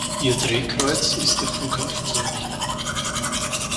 Ihr Drehkreuz ist der Flughafen München.